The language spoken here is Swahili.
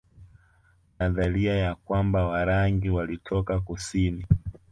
Nadharia ya kwamba Warangi walitoka kusini